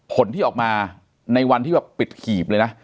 ผลที่ออกมาในวันที่แบบปิดหีบเลยนะ